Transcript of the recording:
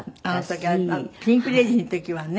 ピンク・レディーの時はね。